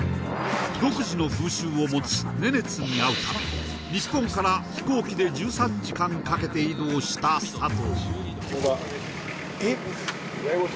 独自の風習を持つネネツに会うため日本から飛行機で１３時間かけて移動した佐藤